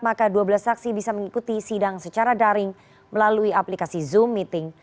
maka dua belas saksi bisa mengikuti sidang secara daring melalui aplikasi zoom meeting